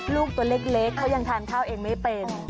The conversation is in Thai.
ลูกตัวเล็กเขายังทานข้าวเองไม่เป็น